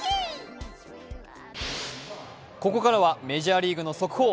ここからはメジャーリーグの速報。